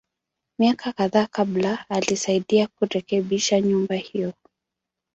Miaka kadhaa kabla, alisaidia kurekebisha nyumba hiyo.